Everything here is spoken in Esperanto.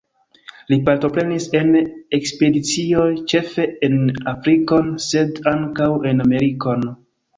Li partoprenis en ekspedicioj, ĉefe en Afrikon, sed ankaŭ en Amerikon.